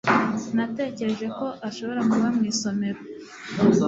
Natekereje ko ashobora kuba mu isomero